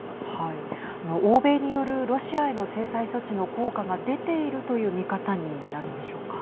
欧米によるロシアへの制裁措置の効果が出ているという見方になるんでしょうか。